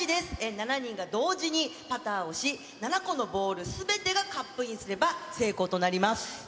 ７人が同時にパターをし、７個のボールすべてがカップインすれば成功となります。